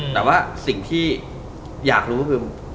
แต่ว่าสิ่งที่อยากรู้คือ